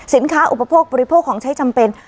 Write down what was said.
อุปโภคบริโภคของใช้จำเป็น